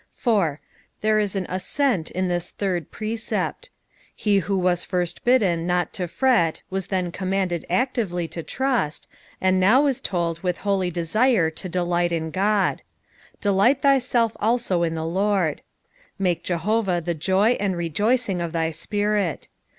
4. There is an ascent in this third orecent. He who was first bidden not to fret, was then commiinded activeJy to trust, and now is tolil with lioly desire to delight in God. "Delight tkyney alto in the Lord." Miike Jehovah the Joy ■ni rejoicing of thy spirit.